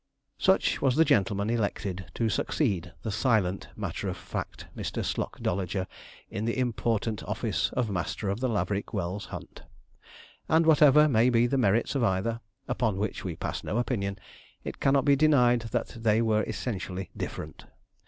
Such was the gentleman elected to succeed the silent, matter of fact Mr. Slocdolager in the important office of Master of the Laverick Wells Hunt; and whatever may be the merits of either upon which we pass no opinion it cannot be denied that they were essentially different.